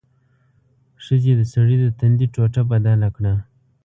ښځې د سړي د تندي ټوټه بدله کړه.